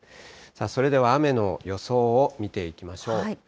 それでは雨の予想を見ていきましょう。